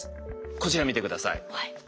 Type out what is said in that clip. こちら見て下さい。